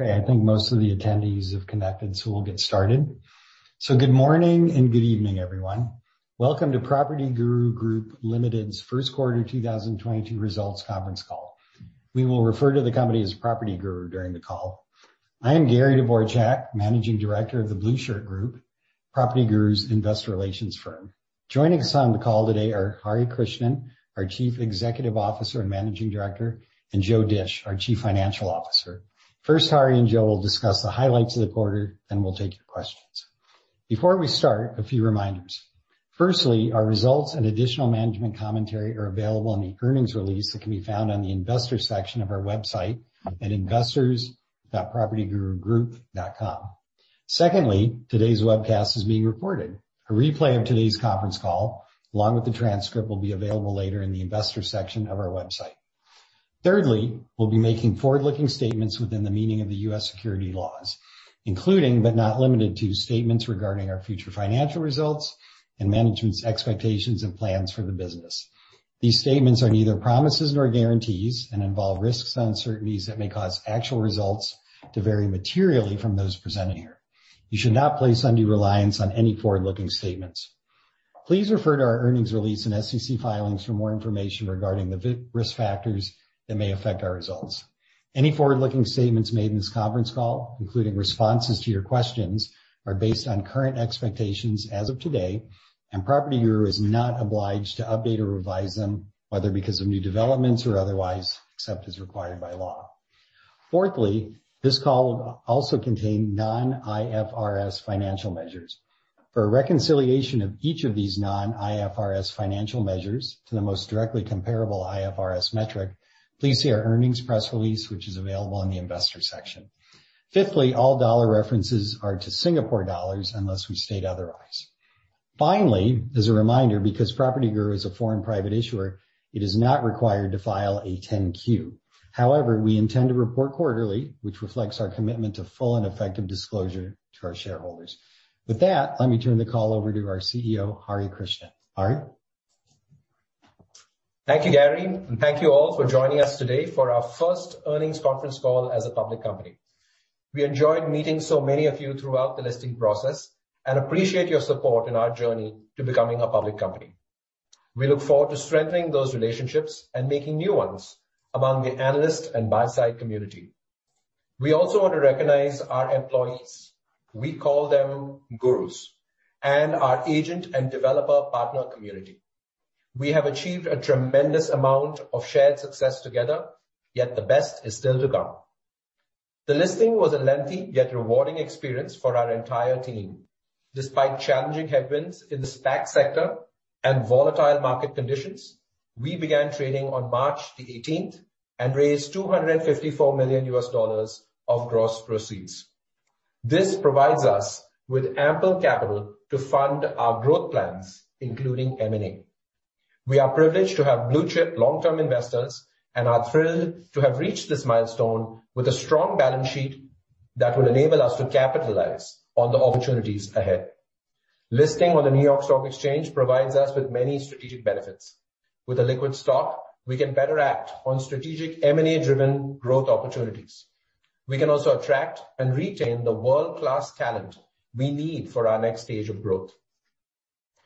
Okay. I think most of the attendees have connected, so we'll get started. Good morning and good evening, everyone. Welcome to PropertyGuru Group Limited's first quarter 2022 results conference call. We will refer to the company as PropertyGuru during the call. I am Gary Dvorchak, managing director of the Blueshirt Group, PropertyGuru's investor relations firm. Joining us on the call today are Hari V. Krishnan, our Chief Executive Officer and Managing Director, and Joe Dische, our Chief Financial Officer. First, Hari and Joe will discuss the highlights of the quarter, then we'll take your questions. Before we start, a few reminders. Firstly, our results and additional management commentary are available in the earnings release that can be found on the investor section of our website at investors.propertygurugroup.com. Secondly, today's webcast is being recorded. A replay of today's conference call, along with the transcript, will be available later in the investor section of our website. Thirdly, we'll be making forward-looking statements within the meaning of the U.S. securities laws, including but not limited to statements regarding our future financial results and management's expectations and plans for the business. These statements are neither promises nor guarantees and involve risks and uncertainties that may cause actual results to vary materially from those presented here. You should not place undue reliance on any forward-looking statements. Please refer to our earnings release and SEC filings for more information regarding the risk factors that may affect our results. Any forward-looking statements made in this conference call, including responses to your questions, are based on current expectations as of today, and PropertyGuru is not obliged to update or revise them, whether because of new developments or otherwise, except as required by law. Fourthly, this call will also contain non-IFRS financial measures. For a reconciliation of each of these non-IFRS financial measures to the most directly comparable IFRS metric, please see our earnings press release, which is available on the investor section. Fifthly, all dollar references are to Singapore dollars unless we state otherwise. Finally, as a reminder, because PropertyGuru is a foreign private issuer, it is not required to file a 10-Q. However, we intend to report quarterly, which reflects our commitment to full and effective disclosure to our shareholders. With that, let me turn the call over to our CEO, Hari Krishnan. Hari. Thank you, Gary, and thank you all for joining us today for our first earnings conference call as a public company. We enjoyed meeting so many of you throughout the listing process and appreciate your support in our journey to becoming a public company. We look forward to strengthening those relationships and making new ones among the analyst and buy-side community. We also want to recognize our employees, we call them gurus, and our agent and developer partner community. We have achieved a tremendous amount of shared success together, yet the best is still to come. The listing was a lengthy yet rewarding experience for our entire team. Despite challenging headwinds in the tech sector and volatile market conditions, we began trading on March the 18th and raised $254 million of gross proceeds. This provides us with ample capital to fund our growth plans, including M&A. We are privileged to have blue chip long-term investors and are thrilled to have reached this milestone with a strong balance sheet that will enable us to capitalize on the opportunities ahead. Listing on the New York Stock Exchange provides us with many strategic benefits. With a liquid stock, we can better act on strategic M&A-driven growth opportunities. We can also attract and retain the world-class talent we need for our next stage of growth.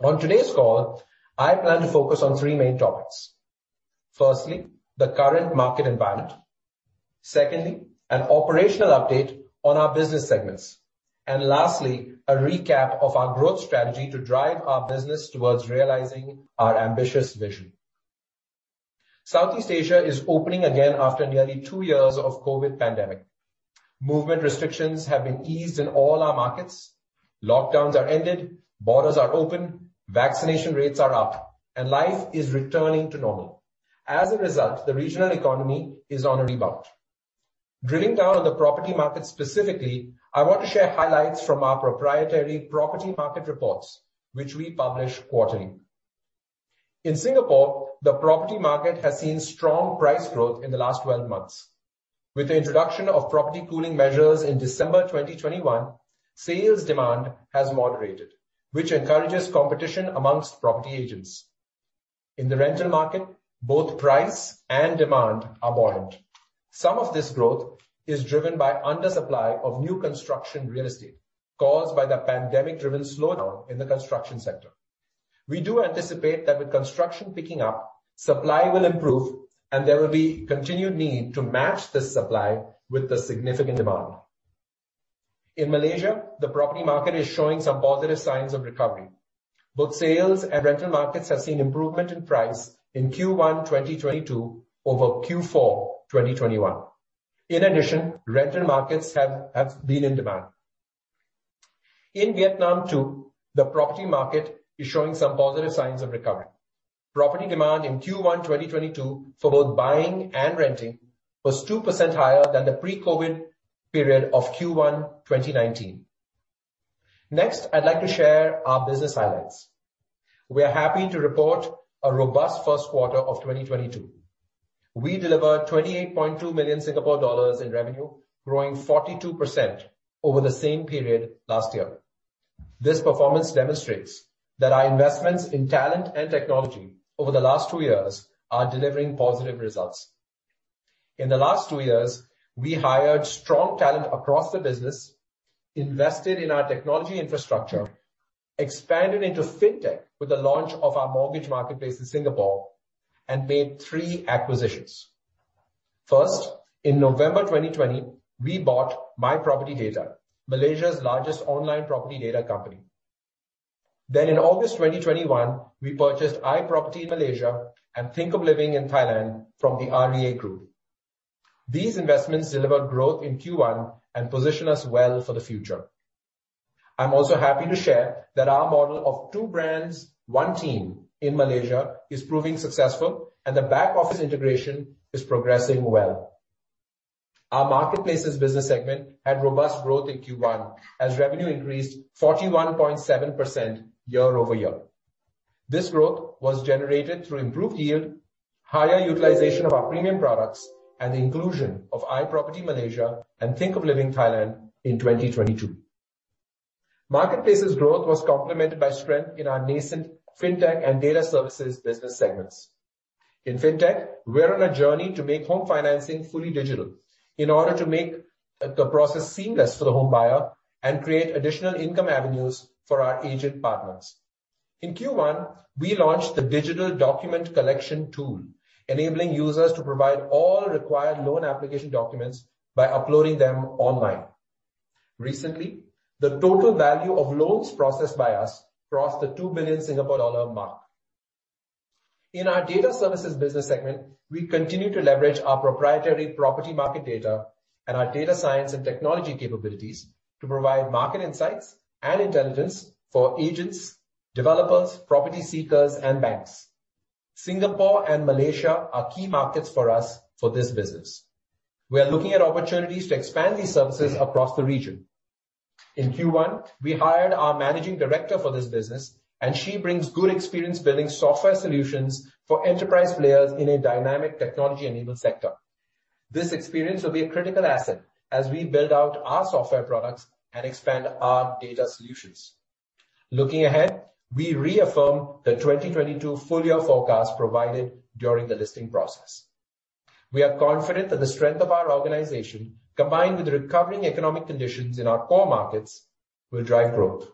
On today's call, I plan to focus on three main topics. Firstly, the current market environment. Secondly, an operational update on our business segments. Lastly, a recap of our growth strategy to drive our business towards realizing our ambitious vision. Southeast Asia is opening again after nearly two years of COVID pandemic. Movement restrictions have been eased in all our markets. Lockdowns are ended. Borders are open. Vaccination rates are up. Life is returning to normal. As a result, the regional economy is on a rebound. Drilling down on the property market specifically, I want to share highlights from our proprietary property market reports, which we publish quarterly. In Singapore, the property market has seen strong price growth in the last 12 months. With the introduction of property cooling measures in December 2021, sales demand has moderated, which encourages competition among property agents. In the rental market, both price and demand are buoyant. Some of this growth is driven by under-supply of new construction real estate caused by the pandemic-driven slowdown in the construction sector. We do anticipate that with construction picking up, supply will improve, and there will be continued need to match this supply with the significant demand. In Malaysia, the property market is showing some positive signs of recovery. Both sales and rental markets have seen improvement in price in Q1 2022 over Q4 2021. In addition, rental markets have been in demand. In Vietnam too, the property market is showing some positive signs of recovery. Property demand in Q1 2022 for both buying and renting was 2% higher than the pre-COVID period of Q1 2019. Next, I'd like to share our business highlights. We are happy to report a robust Q1 2022. We delivered 28.2 million Singapore dollars in revenue, growing 42% over the same period last year. This performance demonstrates that our investments in talent and technology over the last two years are delivering positive results. In the last two years, we hired strong talent across the business, invested in our technology infrastructure, expanded into fintech with the launch of our Mortgage Marketplace in Singapore, and made three acquisitions. First, in November 2020, we bought MyProperty Data, Malaysia's largest online property data company. In August 2021, we purchased iProperty in Malaysia and ThinkofLiving in Thailand from the REA Group. These investments delivered growth in Q1 and position us well for the future. I'm also happy to share that our model of two brands, one team in Malaysia is proving successful and the back office integration is progressing well. Our marketplaces business segment had robust growth in Q1 as revenue increased 41.7% year-over-year. This growth was generated through improved yield, higher utilization of our premium products, and the inclusion of iProperty Malaysia and ThinkofLiving Thailand in 2022. Marketplaces growth was complemented by strength in our nascent fintech and data services business segments. In fintech, we are on a journey to make home financing fully digital in order to make the process seamless for the home buyer and create additional income avenues for our agent partners. In Q1, we launched the digital document collection tool, enabling users to provide all required loan application documents by uploading them online. Recently, the total value of loans processed by us crossed the 2 billion Singapore dollar mark. In our data services business segment, we continue to leverage our proprietary property market data and our data science and technology capabilities to provide market insights and intelligence for agents, developers, property seekers, and banks. Singapore and Malaysia are key markets for us for this business. We are looking at opportunities to expand these services across the region. In Q1, we hired our managing director for this business, and she brings good experience building software solutions for enterprise players in a dynamic technology-enabled sector. This experience will be a critical asset as we build out our software products and expand our data solutions. Looking ahead, we reaffirm the 2022 full year forecast provided during the listing process. We are confident that the strength of our organization, combined with the recovering economic conditions in our core markets, will drive growth.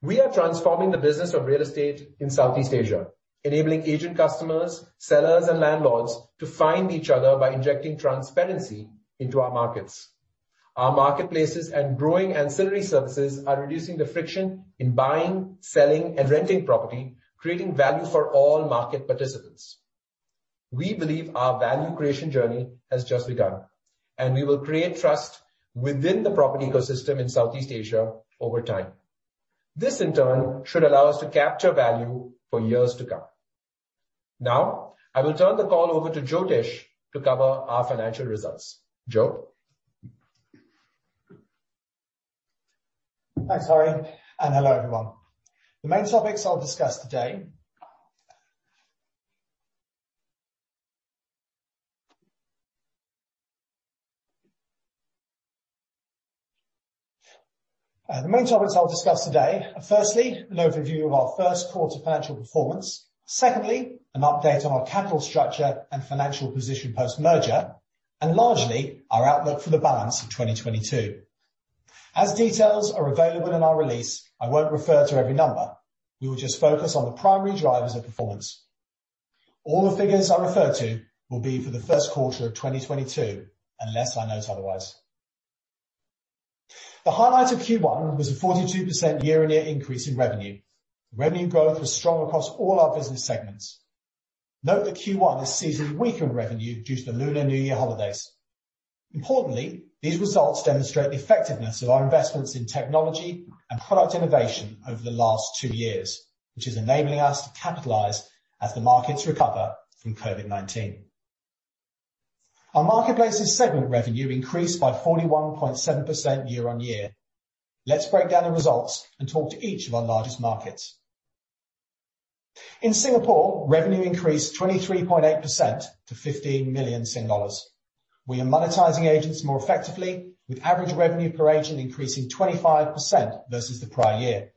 We are transforming the business of real estate in Southeast Asia, enabling agent customers, sellers, and landlords to find each other by injecting transparency into our markets. Our marketplaces and growing ancillary services are reducing the friction in buying, selling, and renting property, creating value for all market participants. We believe our value creation journey has just begun, and we will create trust within the property ecosystem in Southeast Asia over time. This, in turn, should allow us to capture value for years to come. Now, I will turn the call over to Joe Dische to cover our financial results. Joe? Thanks, Hari, and hello, everyone. The main topics I'll discuss today are, firstly, an overview of our first quarter financial performance. Secondly, an update on our capital structure and financial position post-merger, and largely, our outlook for the balance of 2022. As details are available in our release, I won't refer to every number. We will just focus on the primary drivers of performance. All the figures I refer to will be for the first quarter of 2022, unless I note otherwise. The highlight of Q1 was a 42% year-on-year increase in revenue. Revenue growth was strong across all our business segments. Note that Q1 is seasonally weaker revenue due to the Lunar New Year holidays. Importantly, these results demonstrate the effectiveness of our investments in technology and product innovation over the last two years, which is enabling us to capitalize as the markets recover from COVID-19. Our marketplaces segment revenue increased by 41.7% year-over-year. Let's break down the results and talk to each of our largest markets. In Singapore, revenue increased 23.8% to SGD 15 million. We are monetizing agents more effectively with average revenue per agent increasing 25% versus the prior year.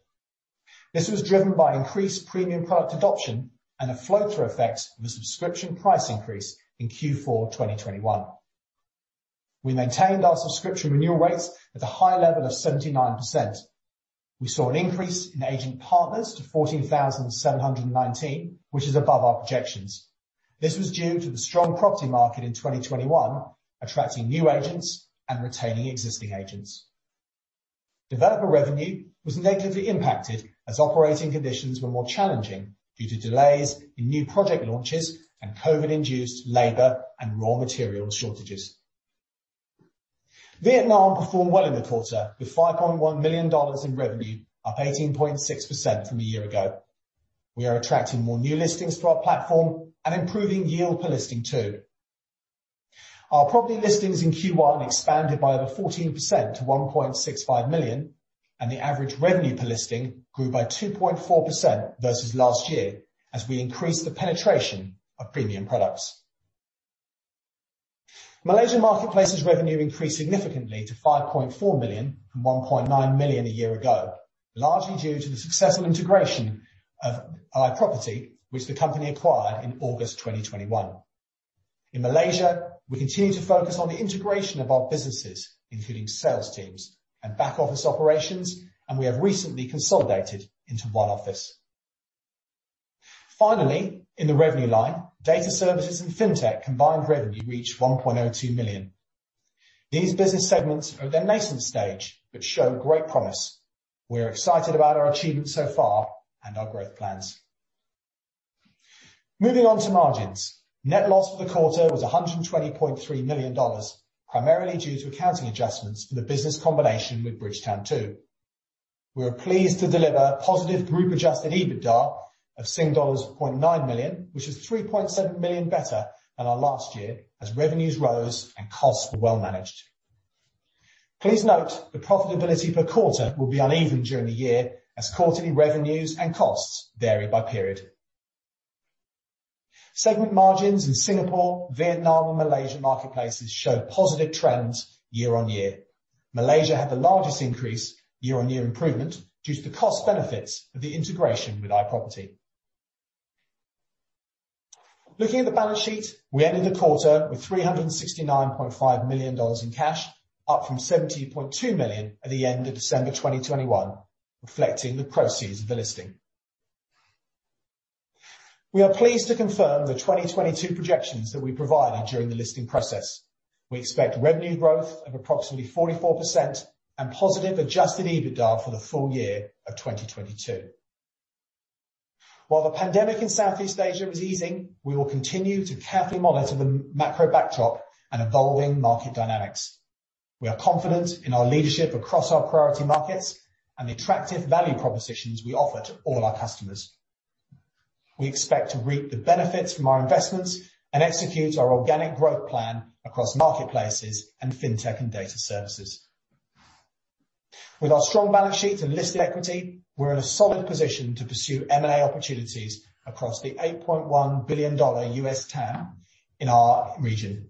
This was driven by increased premium product adoption and the flow-through effects of a subscription price increase in Q4 2021. We maintained our subscription renewal rates at the high level of 79%. We saw an increase in agent partners to 14,719, which is above our projections. This was due to the strong property market in 2021, attracting new agents and retaining existing agents. Developer revenue was negatively impacted as operating conditions were more challenging due to delays in new project launches and COVID-induced labor and raw material shortages. Vietnam performed well in the quarter with $5.1 million in revenue, up 18.6% from a year ago. We are attracting more new listings to our platform and improving yield per listing too. Our property listings in Q1 expanded by over 14% to 1.65 million, and the average revenue per listing grew by 2.4% versus last year as we increased the penetration of premium products. Malaysia Marketplace's revenue increased significantly to 5.4 million from 1.9 million a year ago, largely due to the successful integration of iProperty, which the company acquired in August 2021. In Malaysia, we continue to focus on the integration of our businesses, including sales teams and back office operations, and we have recently consolidated into one office. Finally, in the revenue line, data services and fintech combined revenue reached 1.02 million. These business segments are at their nascent stage but show great promise. We are excited about our achievements so far and our growth plans. Moving on to margins. Net loss for the quarter was $120.3 million, primarily due to accounting adjustments for the business combination with Bridgetown 2. We are pleased to deliver positive group adjusted EBITDA of Sing dollars 0.9 million, which is 3.7 million better than our last year as revenues rose and costs were well managed. Please note the profitability per quarter will be uneven during the year as quarterly revenues and costs vary by period. Segment margins in Singapore, Vietnam and Malaysia marketplaces show positive trends year-on-year. Malaysia had the largest increase year-on-year improvement due to the cost benefits of the integration with iProperty. Looking at the balance sheet, we ended the quarter with $369.5 million in cash, up from $17.2 million at the end of December 2021, reflecting the proceeds of the listing. We are pleased to confirm the 2022 projections that we provided during the listing process. We expect revenue growth of approximately 44% and positive adjusted EBITDA for the full year of 2022. While the pandemic in Southeast Asia is easing, we will continue to carefully monitor the macro backdrop and evolving market dynamics. We are confident in our leadership across our priority markets and the attractive value propositions we offer to all our customers. We expect to reap the benefits from our investments and execute our organic growth plan across marketplaces and fintech and data services. With our strong balance sheet and listed equity, we're in a solid position to pursue M&A opportunities across the $8.1 billion TAM in our region.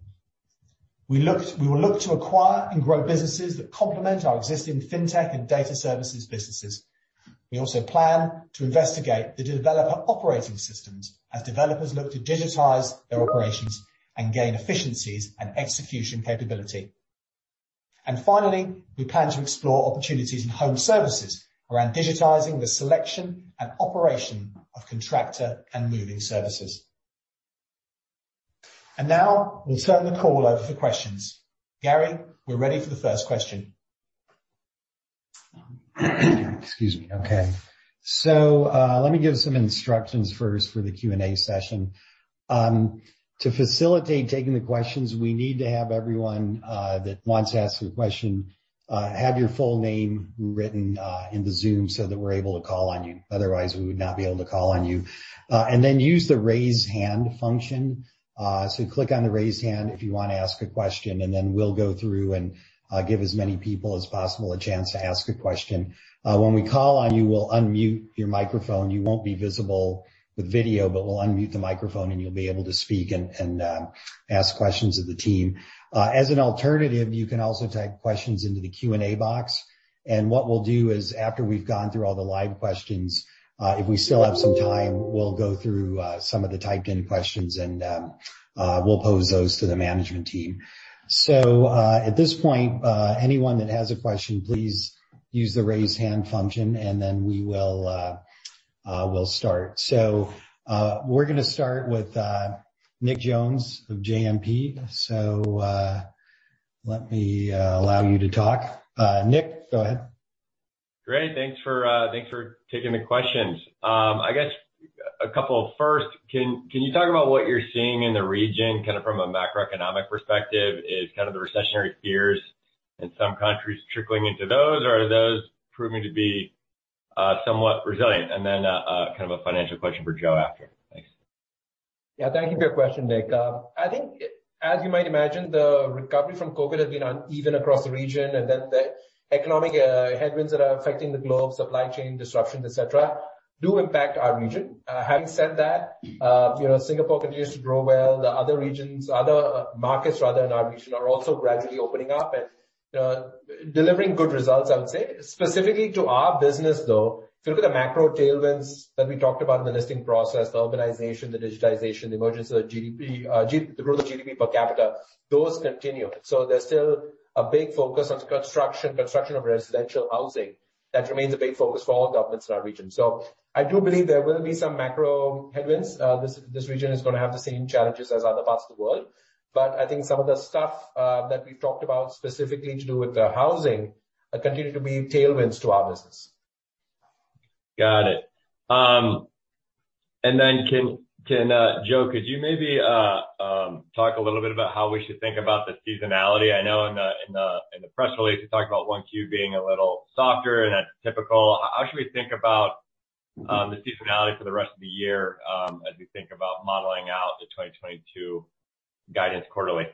We will look to acquire and grow businesses that complement our existing fintech and data services businesses. We also plan to investigate the developer operating systems as developers look to digitize their operations and gain efficiencies and execution capability. Finally, we plan to explore opportunities in home services around digitizing the selection and operation of contractor and moving services. Now we'll turn the call over for questions. Gary, we're ready for the first question. Excuse me. Okay. Let me give some instructions first for the Q&A session. To facilitate taking the questions, we need to have everyone that wants to ask a question have your full name written in the Zoom so that we're able to call on you. Otherwise, we would not be able to call on you. Use the raise hand function. Click on the raise hand if you wanna ask a question, and then we'll go through and give as many people as possible a chance to ask a question. When we call on you, we'll unmute your microphone. You won't be visible with video, but we'll unmute the microphone and you'll be able to speak and ask questions of the team. As an alternative, you can also type questions into the Q&A box. What we'll do is, after we've gone through all the live questions, if we still have some time, we'll go through some of the typed in questions, and we'll pose those to the management team. At this point, anyone that has a question, please use the raise hand function, and then we will start. We're gonna start with Nick Jones of JMP. Let me allow you to talk. Nick, go ahead. Great. Thanks for taking the questions. I guess a couple. First, can you talk about what you're seeing in the region, kinda from a macroeconomic perspective? Is kind of the recessionary fears in some countries trickling into those, or are those proving to be somewhat resilient? Then, kind of a financial question for Joe after. Thanks. Yeah. Thank you for your question, Nick. I think as you might imagine, the recovery from COVID has been uneven across the region, and then the economic headwinds that are affecting the globe, supply chain disruptions, et cetera, do impact our region. Having said that, you know, Singapore continues to grow well. The other markets rather in our region are also gradually opening up and delivering good results, I would say. Specifically to our business though, if you look at the macro tailwinds that we talked about in the listing process, the urbanization, the digitization, the growth of GDP per capita, those continue. There's still a big focus on construction of residential housing. That remains a big focus for all governments in our region. I do believe there will be some macro headwinds. This region is gonna have the same challenges as other parts of the world. I think some of the stuff that we've talked about specifically to do with the housing continue to be tailwinds to our business. Got it. Joe, could you maybe talk a little bit about how we should think about the seasonality? I know in the press release you talked about 1Q being a little softer, and that's typical. How should we think about the seasonality for the rest of the year as we think about modeling out the 2022 guidance quarterly?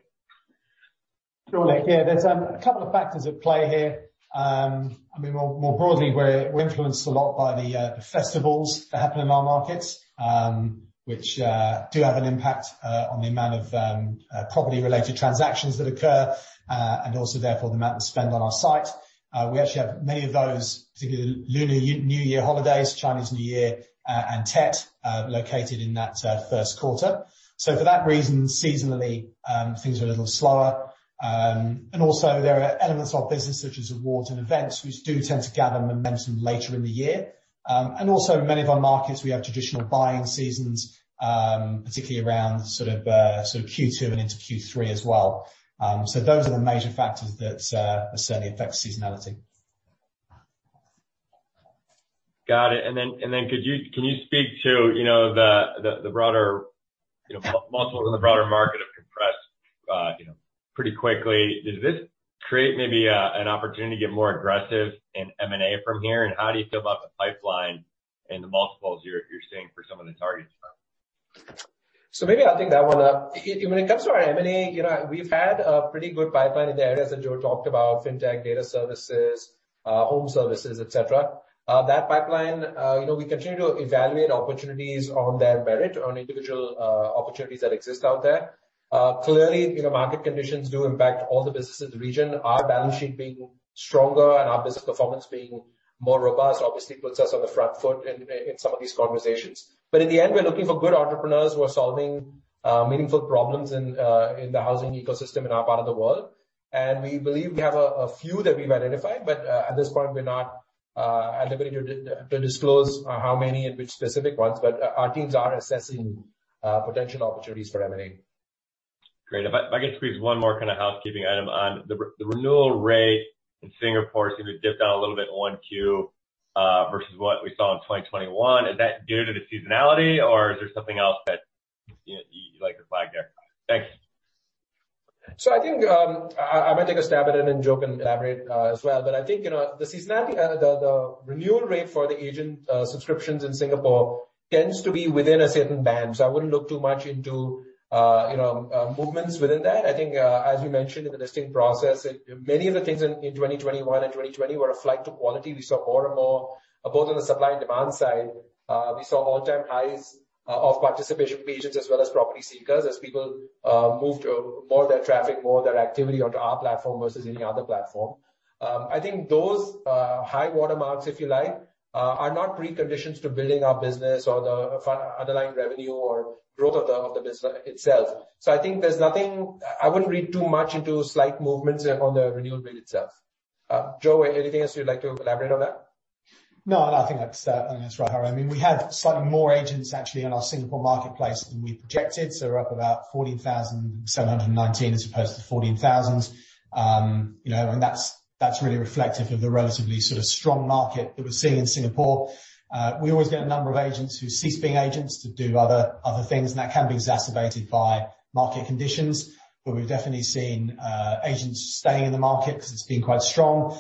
Sure. Yeah, there's a couple of factors at play here. I mean, more broadly, we're influenced a lot by the festivals that happen in our markets, which do have an impact on the amount of property-related transactions that occur, and also therefore the amount we spend on our site. We actually have many of those particular Lunar New Year holidays, Chinese New Year, and Tết located in that first quarter. For that reason, seasonally, things are a little slower. Also there are elements of our business such as awards and events which do tend to gather momentum later in the year. Also many of our markets, we have traditional buying seasons, particularly around sort of Q2 and into Q3 as well. Those are the major factors that certainly affect seasonality. Got it. Can you speak to, you know, the broader, you know, multiples in the broader market have compressed pretty quickly. Does this create maybe an opportunity to get more aggressive in M&A from here? How do you feel about the pipeline and the multiples you're seeing for some of the targets now? Maybe I'll take that one up. When it comes to our M&A, you know, we've had a pretty good pipeline in the areas that Joe talked about, fintech, data services, home services, et cetera. That pipeline, you know, we continue to evaluate opportunities on their merit, on individual opportunities that exist out there. Clearly, you know, market conditions do impact all the businesses in the region. Our balance sheet being stronger and our business performance being more robust obviously puts us on the front foot in some of these conversations. In the end, we're looking for good entrepreneurs who are solving meaningful problems in the housing ecosystem in our part of the world. We believe we have a few that we've identified, but at this point, we're not at liberty to disclose how many and which specific ones. Our teams are assessing potential opportunities for M&A. Great. If I could squeeze one more kind of housekeeping item on the renewal rate in Singapore seemed to dip down a little bit in 1Q versus what we saw in 2021. Is that due to the seasonality or is there something else that, you know, you'd like to flag there? Thanks. I think I might take a stab at it and Joe can elaborate as well. I think you know the seasonality the renewal rate for the agent subscriptions in Singapore tends to be within a certain band. I wouldn't look too much into you know movements within that. I think as we mentioned in the listing process many of the things in 2021 and 2020 were a flight to quality. We saw more and more both on the supply and demand side we saw all-time highs of participation from agents as well as property seekers as people moved more of their traffic more of their activity onto our platform versus any other platform. I think those high water marks, if you like, are not preconditions to building our business or the underlying revenue or growth of the business itself. I think there's nothing I wouldn't read too much into slight movements on the renewal rate itself. Joe, anything else you'd like to elaborate on that? No, I think that's right, Hari. I mean, we have slightly more agents actually in our Singapore marketplace than we projected, so we're up about 14,719 as opposed to 14,000. You know, that's really reflective of the relatively sort of strong market that we're seeing in Singapore. We always get a number of agents who cease being agents to do other things, and that can be exacerbated by market conditions. But we've definitely seen agents staying in the market 'cause it's been quite strong.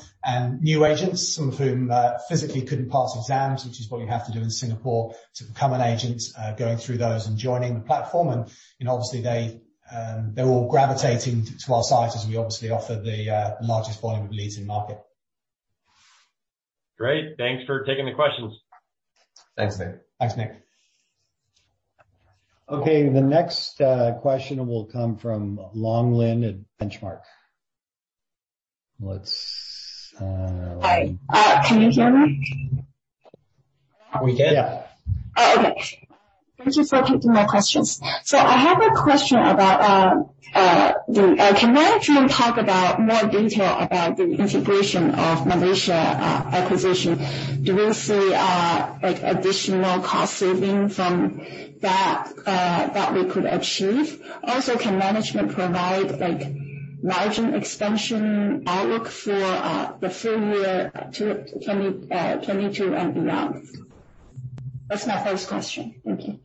New agents, some of whom physically couldn't pass exams, which is what you have to do in Singapore to become an agent, going through those and joining the platform. You know, obviously they're all gravitating to our site as we obviously offer the largest volume of leads in market. Great. Thanks for taking the questions. Thanks, Nick. Thanks, Nick. Okay, the next question will come from Long Lin at Benchmark. Let's Hi. Can you hear me? We can. Yeah. Thank you for taking my questions. I have a question about the integration of Malaysia acquisition. Do we see additional cost saving from that that we could achieve? Also, can management provide margin expansion outlook for the full year to 2022 and beyond? That's my first question. Thank you.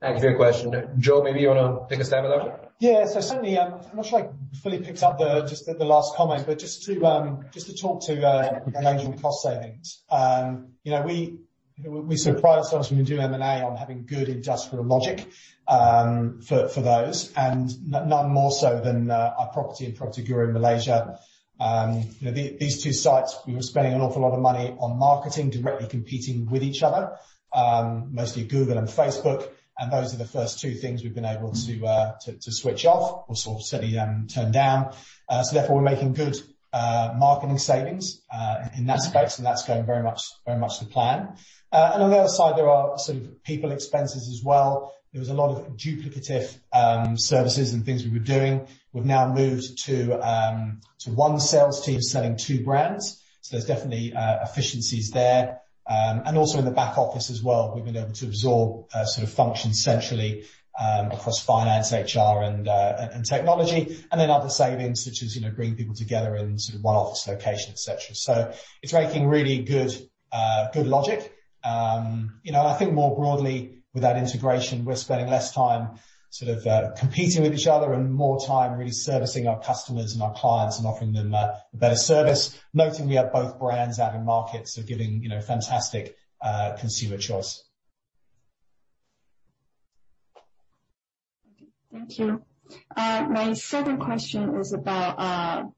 Thanks for your question. Joe, maybe you wanna take a stab at that one? Yeah. Certainly, I'm not sure I fully picked up the last comment, but just to talk about the management cost savings. You know, we surprise ourselves when we do M&A on having good integration logic for those, and none more so than iProperty and PropertyGuru in Malaysia. You know, these two sites, we were spending an awful lot of money on marketing, directly competing with each other, mostly Google and Facebook. Those are the first two things we've been able to switch off or certainly turn down. Therefore, we're making good marketing savings in that space, and that's going very much to plan. On the other side, there are sort of people expenses as well. There was a lot of duplicative services and things we were doing. We've now moved to one sales team selling two brands. There's definitely efficiencies there. Also in the back office as well, we've been able to absorb sort of function centrally across finance, HR, and technology. Other savings such as, you know, bringing people together in sort of one office location, et cetera. It's making really good logic. You know, I think more broadly with that integration, we're spending less time sort of competing with each other and more time really servicing our customers and our clients and offering them a better service. Noting we have both brands out in market, giving, you know, fantastic consumer choice. Thank you. My second question is about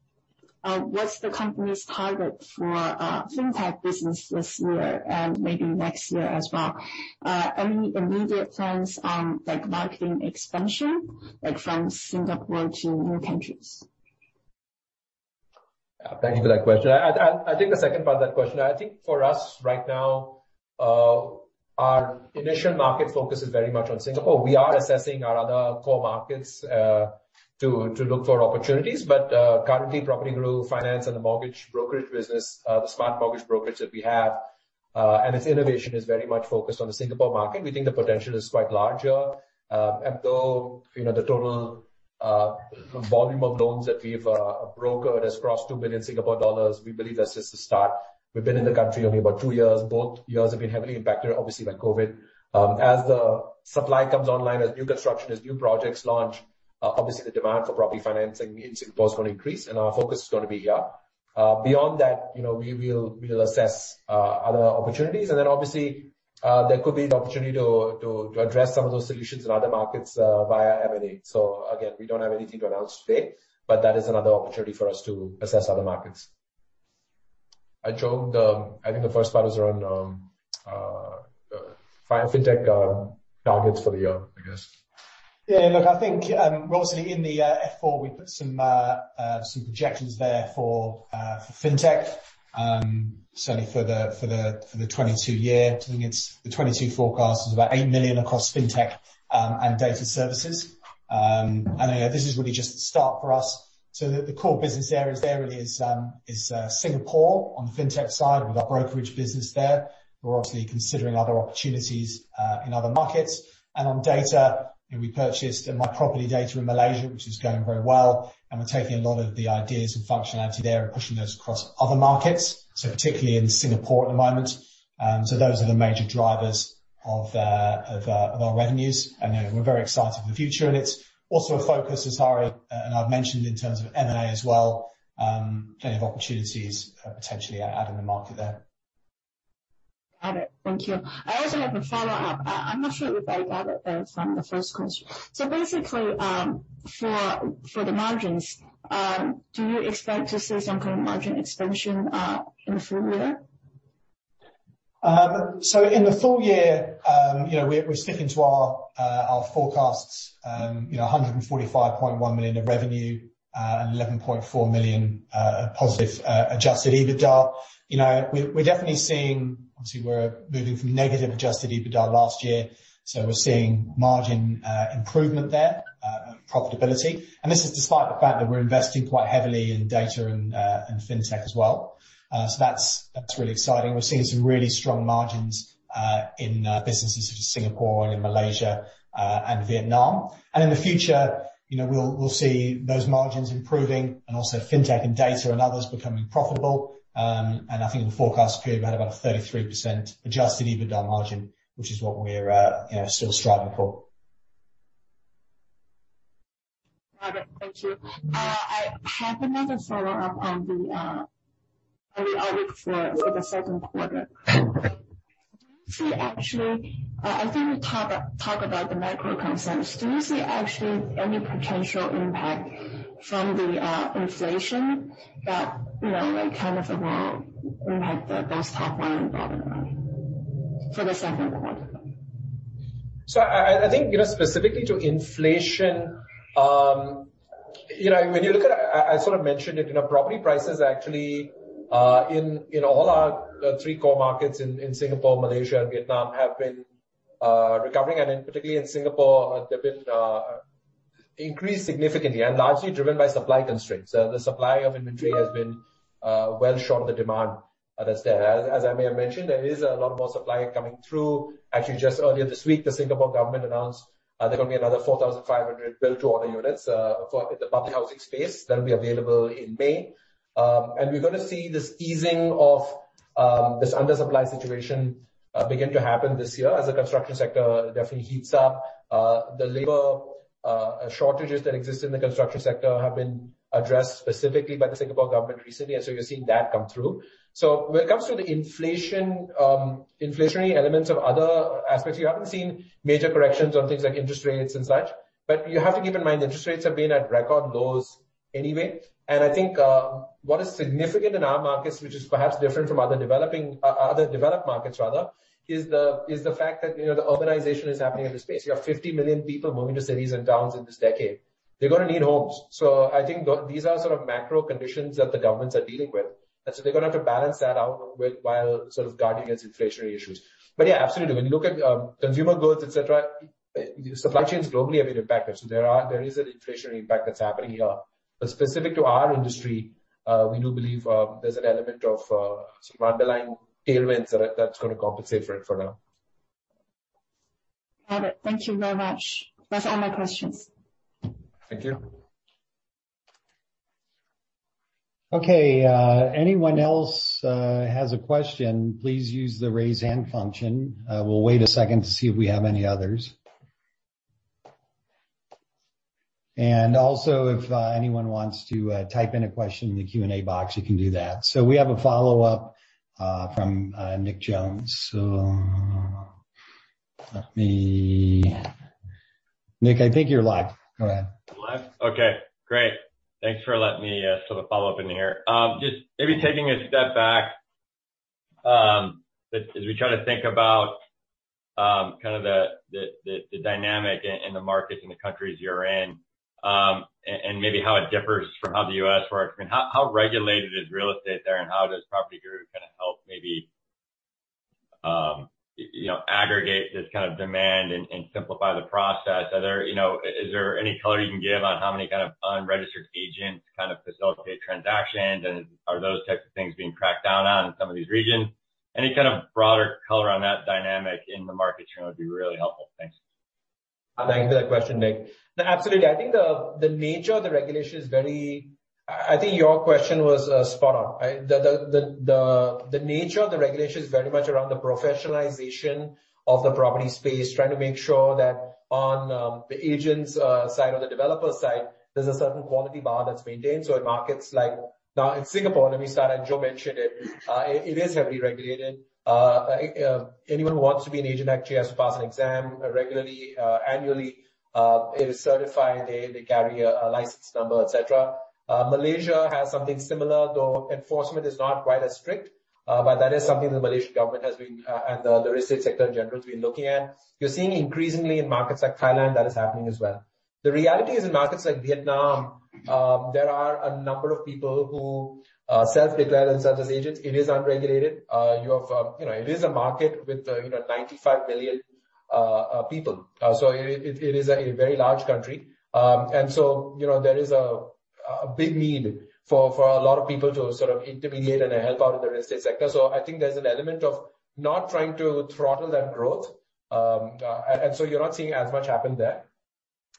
what's the company's target for fintech business this year and maybe next year as well? Any immediate plans on, like, marketing expansion, like from Singapore to new countries? Yeah, thank you for that question. I'll take the second part of that question. I think for us right now, our initial market focus is very much on Singapore. We are assessing our other core markets to look for opportunities, but currently PropertyGuru Finance and the mortgage brokerage business, the smart mortgage brokerage that we have, and its innovation is very much focused on the Singapore market. We think the potential is quite larger. Although, you know, the total volume of loans that we've brokered has crossed 2 billion Singapore dollars, we believe that's just the start. We've been in the country only about two years. Both years have been heavily impacted obviously by COVID. As the supply comes online, as new construction, as new projects launch, obviously the demand for property financing in Singapore is gonna increase, and our focus is gonna be here. Beyond that, you know, we will assess other opportunities. Then obviously, there could be an opportunity to address some of those solutions in other markets via M&A. Again, we don't have anything to announce today, but that is another opportunity for us to assess other markets. I joked, I think the first part was around Fintech targets for the year, I guess. Yeah. Look, I think, obviously in the F-4 we put some projections there for fintech, certainly for the 2022 year. I think it's the 2022 forecast is about 8 million across fintech and data services. You know, this is really just the start for us. The core business areas there really is Singapore on the fintech side with our brokerage business there. We're obviously considering other opportunities in other markets. And on data, you know, we purchased MyProperty Data in Malaysia, which is going very well, and we're taking a lot of the ideas and functionality there and pushing those across other markets, so particularly in Singapore at the moment. Those are the major drivers of our revenues. You know, we're very excited for the future, and it's also a focus, as Hari and I've mentioned in terms of M&A as well. Plenty of opportunities, potentially adding the market there. Got it. Thank you. I also have a follow-up. I'm not sure if I got it from the first question. Basically, for the margins, do you expect to see some kind of margin expansion in the full year? In the full year, you know, we're sticking to our forecasts, you know, $145.1 million of revenue and $11.4 million positive adjusted EBITDA. We're definitely seeing. Obviously we're moving from negative adjusted EBITDA last year, so we're seeing margin improvement there, profitability. This is despite the fact that we're investing quite heavily in data and fintech as well. That's really exciting. We're seeing some really strong margins in businesses such as Singapore and in Malaysia and Vietnam. In the future, you know, we'll see those margins improving and also fintech and data and others becoming profitable. I think in the forecast period we had about a 33% adjusted EBITDA margin, which is what we're, you know, still striving for. Got it. Thank you. I have another follow-up on the outlook for the second quarter. I think we talked about the macro concerns. Do you see actually any potential impact from the inflation that, you know, may kind of overall impact those top line rather than bottom line for the second quarter? I think, you know, specifically to inflation, you know, when you look at, I sort of mentioned it, you know, property prices actually in all our three core markets in Singapore, Malaysia and Vietnam have been recovering. Particularly in Singapore, they've been increased significantly and largely driven by supply constraints. The supply of inventory has been well short of the demand that's there. As I may have mentioned, there is a lot more supply coming through. Actually, just earlier this week, the Singapore government announced they're gonna be another 4,500 Build-To-Order units in the public housing space that'll be available in May. We're gonna see this easing of this undersupply situation begin to happen this year as the construction sector definitely heats up. The labor shortages that exist in the construction sector have been addressed specifically by the Singapore government recently, and you're seeing that come through. When it comes to the inflation, inflationary elements of other aspects, you haven't seen major corrections on things like interest rates and such, but you have to keep in mind interest rates have been at record lows anyway. I think what is significant in our markets, which is perhaps different from other developed markets rather, is the fact that, you know, the urbanization is happening in the space. You have 50 million people moving to cities and towns in this decade. They're gonna need homes. I think these are sort of macro conditions that the governments are dealing with, and so they're gonna have to balance that out with while sort of guarding against inflationary issues. Yeah, absolutely, when you look at consumer goods, et cetera, you know, supply chains globally have been impacted, so there is an inflationary impact that's happening here. Specific to our industry, we do believe there's an element of some underlying tailwinds that's gonna compensate for it for now. Got it. Thank you very much. That's all my questions. Thank you. Okay. Anyone else has a question, please use the raise hand function. We'll wait a second to see if we have any others. Also, if anyone wants to type in a question in the Q&A box, you can do that. We have a follow-up from Nick Jones. Let me. Nick, I think you're live. Go ahead. I'm live? Okay, great. Thanks for letting me sort of follow up in here. Just maybe taking a step back, as we try to think about kinda the dynamic in the markets and the countries you're in, and maybe how it differs from how the U.S. works. I mean, how regulated is real estate there, and how does PropertyGuru kinda help maybe you know aggregate this kind of demand and simplify the process? You know, is there any color you can give on how many kind of unregistered agents kind of facilitate transactions? And are those types of things being cracked down on in some of these regions? Any kind of broader color on that dynamic in the markets you're in would be really helpful. Thanks. Thank you for that question, Nick. No, absolutely. I think your question was spot on, right? The nature of the regulation is very much around the professionalization of the property space, trying to make sure that on the agents' side or the developers' side, there's a certain quality bar that's maintained. Now in Singapore, let me start, and Joe mentioned it is heavily regulated. Anyone who wants to be an agent actually has to pass an exam regularly, annually, is certified. They carry a license number, et cetera. Malaysia has something similar, though enforcement is not quite as strict. That is something the Malaysian government has been and the real estate sector in general has been looking at. You're seeing increasingly in markets like Thailand, that is happening as well. The reality is in markets like Vietnam, there are a number of people who self-declare themselves as agents. It is unregulated. You know, it is a market with, you know, 95 million people. It is a very large country. You know, there is a big need for a lot of people to sort of intermediate and help out in the real estate sector. I think there's an element of not trying to throttle that growth. You're not seeing as much happen there.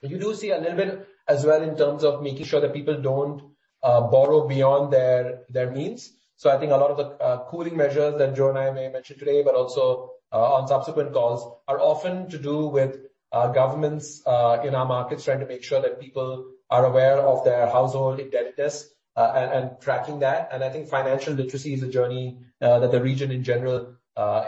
You do see a little bit as well in terms of making sure that people don't borrow beyond their means. I think a lot of the cooling measures that Joe and I may mention today but also on subsequent calls are often to do with governments in our markets trying to make sure that people are aware of their household indebtedness and tracking that. I think financial literacy is a journey that the region in general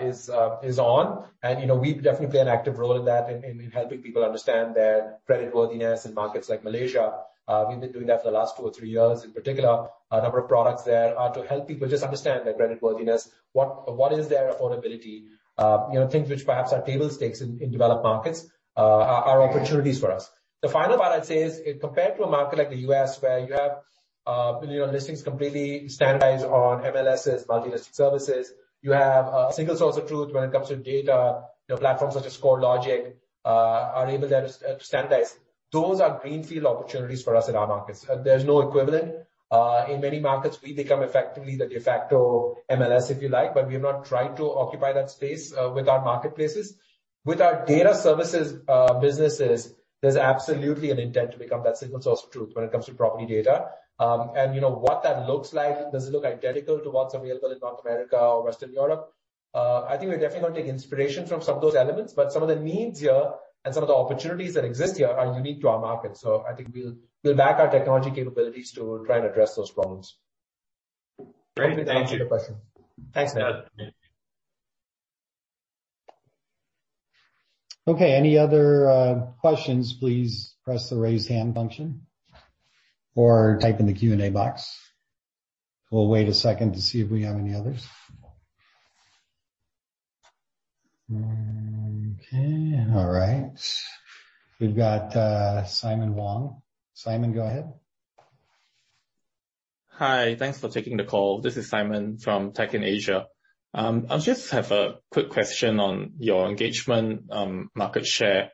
is on. You know, we definitely play an active role in that in helping people understand their creditworthiness in markets like Malaysia. We've been doing that for the last two or three years, in particular. A number of products there are to help people just understand their creditworthiness, what is their affordability. You know, things which perhaps are table stakes in developed markets are opportunities for us. The final part I'd say is if compared to a market like the U.S. where you have, you know, listings completely standardized on MLSs, multiple listing services. You have a single source of truth when it comes to data. You know, platforms such as CoreLogic are able to standardize. Those are greenfield opportunities for us in our markets. There's no equivalent. In many markets, we become effectively the de facto MLS, if you like, but we have not tried to occupy that space with our marketplaces. With our data services businesses, there's absolutely an intent to become that single source of truth when it comes to property data. You know what that looks like. Does it look identical to what's available in North America or Western Europe? I think we're definitely gonna take inspiration from some of those elements, but some of the needs here and some of the opportunities that exist here are unique to our market. I think we'll back our technology capabilities to try and address those problems. Great. Thanks for the question. Thanks, man. Okay, any other questions, please press the Raise Hand function or type in the Q&A box. We'll wait a second to see if we have any others. Okay. All right. We've got Simon Wong. Simon, go ahead. Hi. Thanks for taking the call. This is Simon from Tech in Asia. I just have a quick question on your engagement, market share.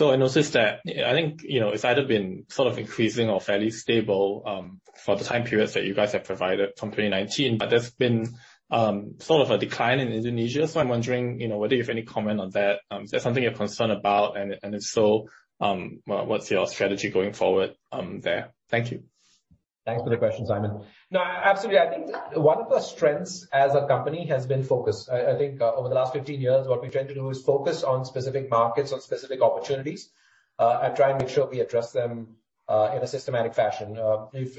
I noticed that I think, you know, it's either been sort of increasing or fairly stable, for the time periods that you guys have provided from 2019, but there's been, sort of a decline in Indonesia. I'm wondering, you know, whether you have any comment on that. Is that something you're concerned about? If so, what's your strategy going forward, there? Thank you. Thanks for the question, Simon. No, absolutely. I think one of the strengths as a company has been focus. I think over the last 15 years, what we've tried to do is focus on specific markets or specific opportunities, and try and make sure we address them in a systematic fashion.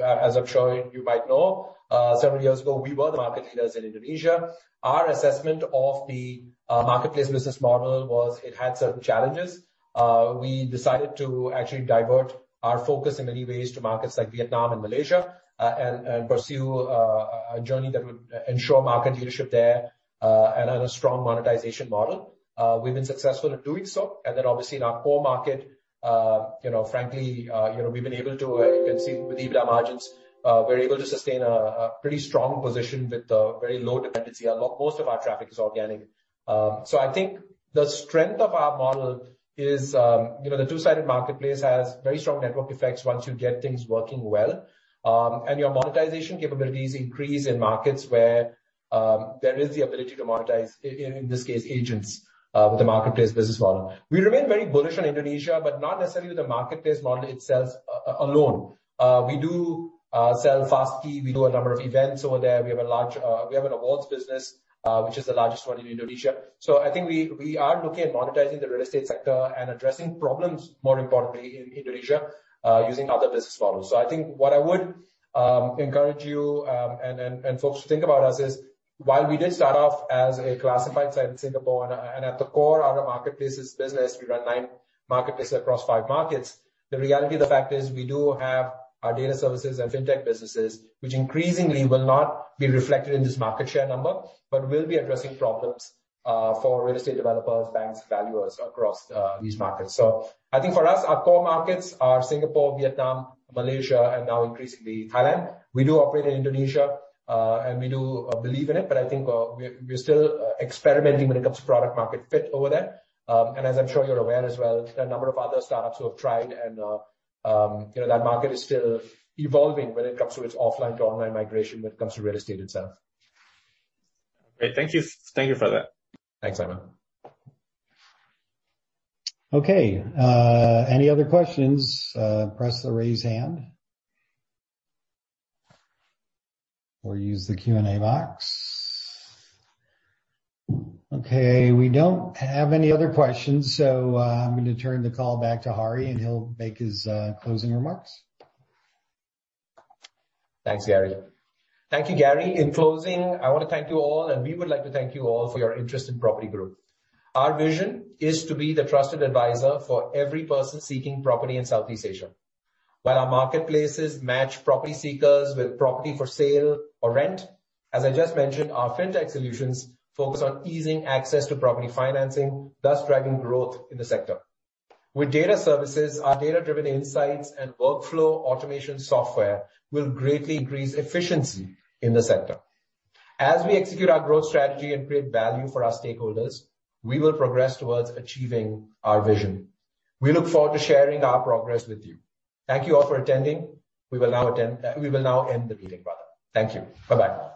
As I'm sure you might know, several years ago, we were the market leaders in Indonesia. Our assessment of the marketplace business model was it had certain challenges. We decided to actually divert our focus in many ways to markets like Vietnam and Malaysia, and pursue a journey that would ensure market leadership there and earn a strong monetization model. We've been successful in doing so. Obviously in our core market, you know, frankly, you know, we've been able to you can see with EBITDA margins, we're able to sustain a pretty strong position with a very low dependency. Most of our traffic is organic. I think the strength of our model is, you know, the two-sided marketplace has very strong network effects once you get things working well. Your monetization capabilities increase in markets where there is the ability to monetize in this case, agents, with the marketplace business model. We remain very bullish on Indonesia, but not necessarily with the marketplace model itself alone. We do sell FastKey. We do a number of events over there. We have an awards business, which is the largest one in Indonesia. I think we are looking at monetizing the real estate sector and addressing problems, more importantly, in Indonesia, using other business models. I think what I would encourage you and folks to think about us is, while we did start off as a classified site in Singapore, and at the core, our marketplace business. We run nine marketplaces across five markets. The reality of the fact is we do have our data services and fintech businesses, which increasingly will not be reflected in this market share number, but will be addressing problems for real estate developers, banks, valuers across these markets. I think for us, our core markets are Singapore, Vietnam, Malaysia, and now increasingly Thailand. We do operate in Indonesia, and we do believe in it, but I think we're still experimenting when it comes to product market fit over there. As I'm sure you're aware as well, there are a number of other startups who have tried and you know that market is still evolving when it comes to its offline to online migration when it comes to real estate itself. Great. Thank you. Thank you for that. Thanks, Simon. Okay. Any other questions, press to raise hand. Or use the Q&A box. Okay, we don't have any other questions, so I'm gonna turn the call back to Hari, and he'll make his closing remarks. Thank you, Gary. In closing, I wanna thank you all, and we would like to thank you all for your interest in PropertyGuru Group. Our vision is to be the trusted advisor for every person seeking property in Southeast Asia. While our marketplaces match property seekers with property for sale or rent, as I just mentioned, our fintech solutions focus on easing access to property financing, thus driving growth in the sector. With data services, our data-driven insights and workflow automation software will greatly increase efficiency in the sector. As we execute our growth strategy and create value for our stakeholders, we will progress towards achieving our vision. We look forward to sharing our progress with you. Thank you all for attending. We will now end the meeting rather. Thank you. Bye-bye.